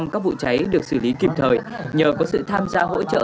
các vụ cháy được xử lý kịp thời nhờ có sự tham gia hỗ trợ